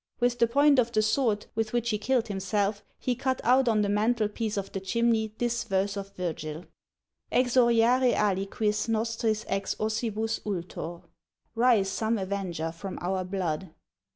With the point of the sword, with which he killed himself, he cut out on the mantel piece of the chimney this verse of Virgil: Exoriare aliquis nostris ex ossibus ultor. Rise some avenger from our blood!